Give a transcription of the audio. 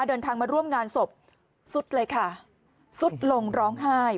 เดินทางมาร่วมงานศพสุดเลยค่ะสุดลงร้องไห้